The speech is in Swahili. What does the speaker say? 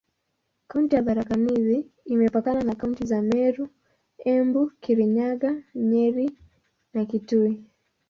Kaunti ya Tharaka Nithi imepakana na kaunti za Meru, Embu, Kirinyaga, Nyeri na Kitui.